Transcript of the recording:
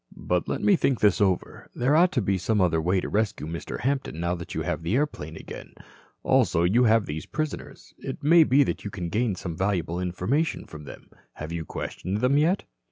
"But let me think this over. There ought to be some other way to rescue Mr. Hampton now that you have the airplane again. Also you have these prisoners. It may be that you can gain some valuable information from them. Have you questioned them yet?"